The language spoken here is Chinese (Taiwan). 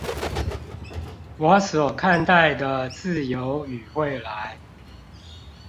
我所看待的自由與未來